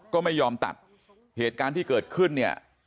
ก็ไม่ยอมตัดเหตุการณ์ที่เกิดขึ้นเนี่ย